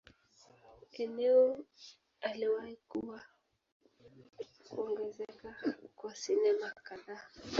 Eneo aliwahi kuwa kuongezeka kwa sinema kadhaa.